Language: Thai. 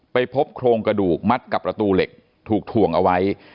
ไปพบโครงกระดูกมัดกับประตูเหล็กถูกถ่วงเอาไว้